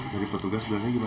jadi petugas belakangnya gimana